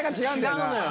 違うのよ